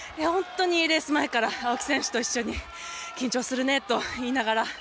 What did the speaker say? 泳ぐ前から青木選手と一緒に緊張するねと言いながら。